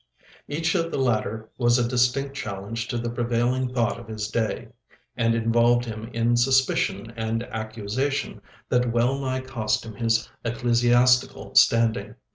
Each of the latter was a distinct challenge to the prevailing thought of his day, and involved him in suspicion and accusation that well nigh cost him his ecclesiastical standing.